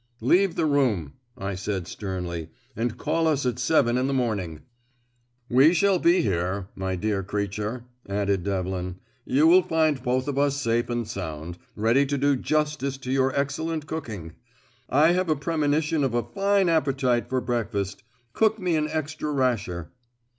"Leave the room," I said sternly; "and call us at seven in the morning." "We shall be here, my dear creature," added Devlin. "You will find both of us safe and sound, ready to do justice to your excellent cooking. I have a premonition of a fine appetite for breakfast; cook me an extra rasher."